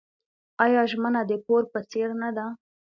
آیا ژمنه د پور په څیر نه ده؟